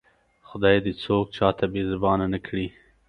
خدای دې څوک چاته بې زبانه نه کړي